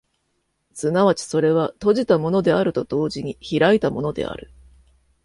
即ちそれは閉じたものであると同時に開いたものである。